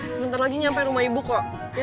sebentar lagi nyampe rumah ibu kok